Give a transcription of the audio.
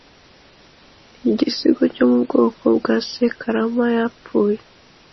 ni igisigo cyo mu bwoko bw’ sekarama yapfuye